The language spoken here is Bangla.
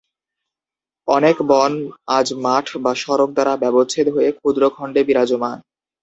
অনেক বন আজ মাঠ বা সড়ক দ্বারা ব্যবচ্ছেদ হয়ে ক্ষুদ্র খণ্ডে বিরাজমান।